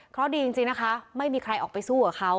เพราะดีจริงนะคะไม่มีใครออกไปสู้กับเขา